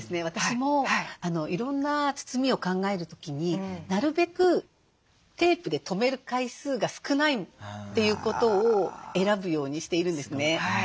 私もいろんな包みを考える時になるべくテープで留める回数が少ないということを選ぶようにしているんですね。